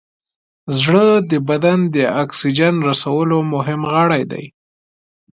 زړه د بدن د اکسیجن رسولو مهم غړی دی.